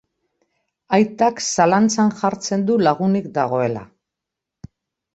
Aitak zalantzan jartzen du lagunik dagoela.